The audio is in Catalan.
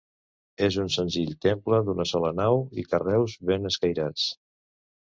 És un senzill temple d'una sola nau i carreus ben escairats.